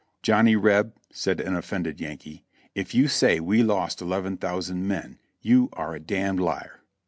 "Johnny Reb," said an offended Yankee, "if you say we lost eleven thousand men, you are a damned liar."